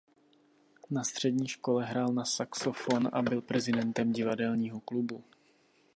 Na střední škole hrál na saxofon a byl prezidentem divadelního klubu.